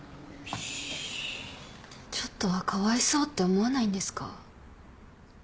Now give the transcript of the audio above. ちょっとはかわいそうって思わないんですか？